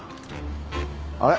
あれ？